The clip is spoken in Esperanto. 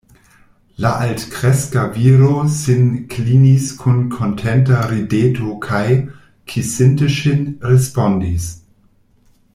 La altkreska viro sin klinis kun kontenta rideto kaj, kisinte ŝin, respondis: